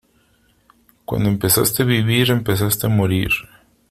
Cuando empezaste a vivir empezaste a morir.